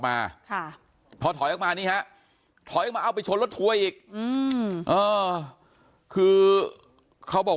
มาค่ะพอถอยออกมานี่ฮะถอยออกมาเอาไปชนรถทัวร์อีกคือเขาบอก